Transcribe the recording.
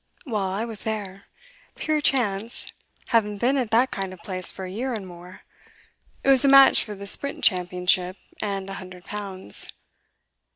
'Well, I was there. Pure chance; haven't been at that kind of place for a year and more. It was a match for the Sprint Championship and a hundred pounds.